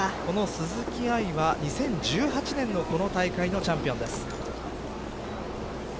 鈴木愛は２０１８年のこの大会のチャンピオンです。